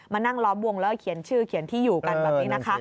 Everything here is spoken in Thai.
นั่งล้อมวงแล้วเขียนชื่อเขียนที่อยู่กันแบบนี้นะคะ